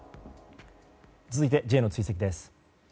続いてＪの追跡です。